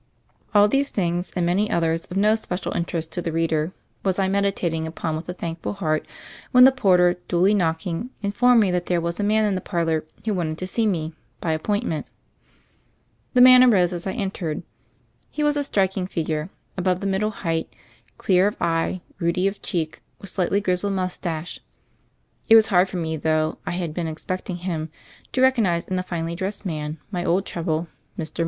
All these things — and many others of no spe cial interest to the reader — was I meditating upon with a thankful heart, when the porter, duly knocking, informed me that there was a man in the parlor who wanted to see me "by appointment." The man arose as I entered. He was a strik ing figure, above the middle height, clear of eye, ruddy of cheek, with slightly grizzled mustache; it was hard for me, though I had been expecting him, to recognize in the finely dressed man my old trouble, Mr. Morrow.